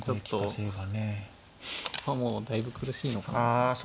もうだいぶ苦しいのかなと思って。